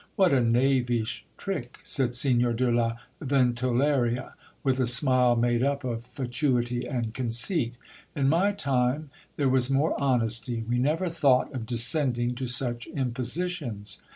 What a knavish trick ! said Signor de la Ventoleria, with a smile made up of fatuity and conceit. In my time there was more honesty, we never thought of descending to such impositions.